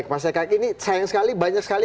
mas ekaki ini sayang sekali banyak sekali